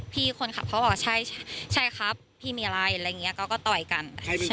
พี่คนขับเขาบอกว่าใช่ครับพี่มีอะไรอะไรอย่างนี้เขาก็ต่อยกัน